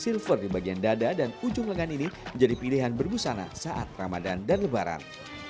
silver di bagian dada dan ujung lengan ini menjadi pilihan berbusana saat ramadan dan lebaran